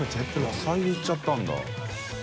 野菜でいっちゃったんだ。